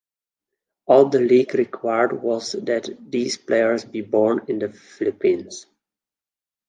All the league required was that these players be born in the Philippines.